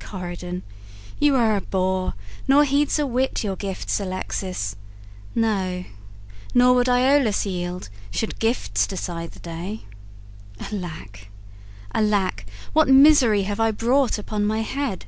Corydon, You are a boor, nor heeds a whit your gifts Alexis; no, nor would Iollas yield, Should gifts decide the day. Alack! alack! What misery have I brought upon my head!